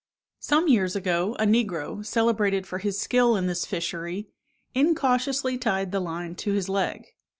Some years ago, a negro, celebrated for his skill in this fishery, incautiously tied the line to his leg.